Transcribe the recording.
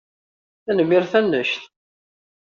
Tanemmirt annect!